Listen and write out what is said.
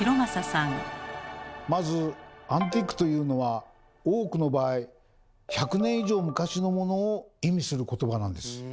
まず「アンティーク」というのは多くの場合「１００年以上昔のモノ」を意味する言葉なんです。